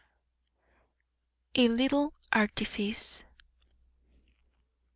A LITTLE ARTIFICE.